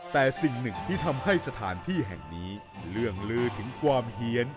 แต่สิ่งหนึ่งที่ทำให้สถานที่แห่งนี้เรื่องลือถึงความเฮียน